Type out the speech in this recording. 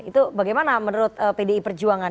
itu bagaimana menurut pdi perjuangan